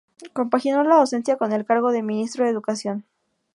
Compaginó la docencia con el cargo de Ministro de Educación.